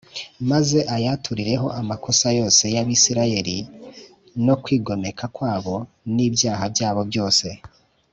Maze ayaturireho c amakosa yose y abisirayeli no kwigomeka kwabo n ibyaha byabo byose